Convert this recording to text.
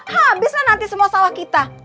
habislah nanti semua sawah kita